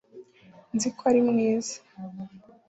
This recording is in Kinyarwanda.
nzi ko ari mwiza